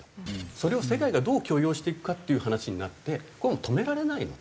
それを世界がどう許容していくかっていう話になってこれはもう止められないので。